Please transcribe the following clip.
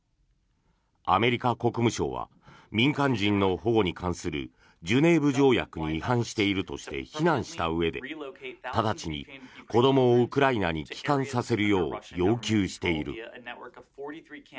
アメリカ国務省は民間人の保護に関するジュネーブ条約に違反しているとして非難したうえで直ちに子どもをウクライナに帰還させるよう要求している。